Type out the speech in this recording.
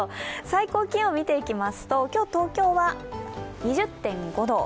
最高気温を見ていきますと、今日、東京は２０．５度。